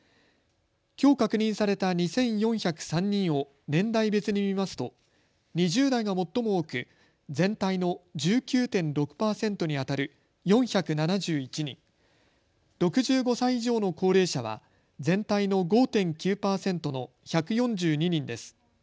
きょう確認された２４０３人を年代別に見ますと２０代が最も多く全体の１９．６％にあたる４７１人、６５歳以上の高齢者は全体の５．９％の１４２人です。